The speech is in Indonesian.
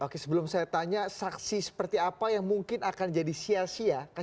oke sebelum saya tanya saksi seperti apa yang mungkin akan jadi sia sia